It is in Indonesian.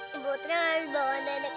bunda nari jangan pergi